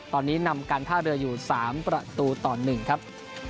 ตอนนี้นำการท่าเรืออยู่๓ประตูต่อ๑ครับ